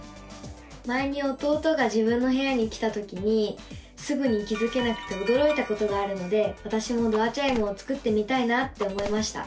前に弟が自分の部屋に来たときにすぐに気付けなくておどろいたことがあるのでわたしもドアチャイムを作ってみたいなって思いました！